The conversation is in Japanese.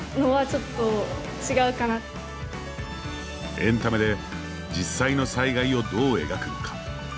エンタメで実際の災害をどう描くのか。